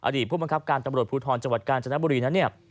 อดีตผู้บังคับการตำรวจภูทธรณ์จังหวัดกาลจนบุรี